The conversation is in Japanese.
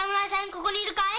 ここにいるかい？